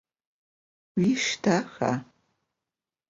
Vuişş daxa?